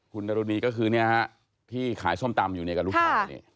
คุณดารุณีก็คือที่ขายส้มตำอยู่ในการลูกชาย